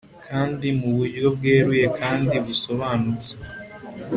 Kandi mu buryo bweruye kandi busobanutse